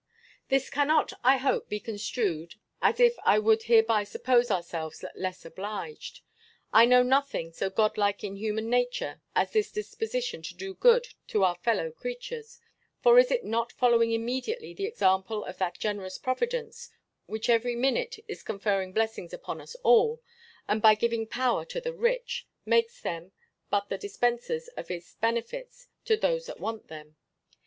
This cannot, I hope, be construed as if I would hereby suppose ourselves less obliged. I know nothing so godlike in human nature as this disposition to do good to our fellow creatures: for is it not following immediately the example of that generous Providence which every minute is conferring blessings upon us all, and by giving power to the rich, makes them but the dispensers of its benefits to those that want them?